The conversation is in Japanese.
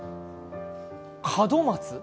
門松？